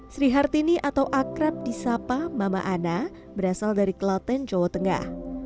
sri hartini atau akrab disapa mama ana berasal dari kelaten jawa tengah